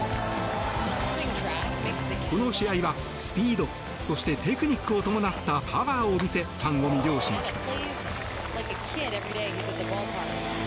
この試合はスピードそしてテクニックを伴ったパワーを見せファンを魅了しました。